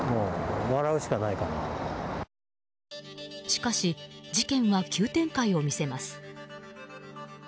しかし事件は急展開を見せます。